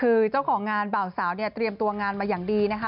คือเจ้าของงานเบาสาวเนี่ยเตรียมตัวงานมาอย่างดีนะคะ